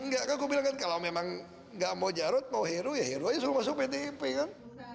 enggak kan aku bilang kan kalau memang nggak mau jarut mau heru ya heru aja suruh masuk pdip kan